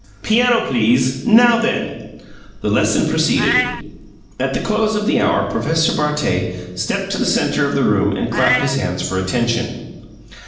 Piano, please! Now then!" The lesson proceeded. At the close of the hour Professor Bartet stepped to the centre of the room and clapped his hands for attention.